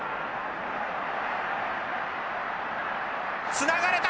つながれた！